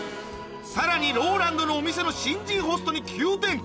さらにＲＯＬＡＮＤのお店の新人ホストに急展開